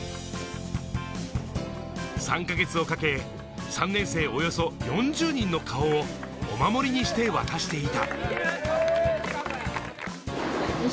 ３か月をかけ、３年生およそ４０人の顔をお守りにして渡していた。